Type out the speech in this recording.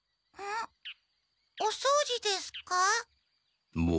ん？おそうじですか？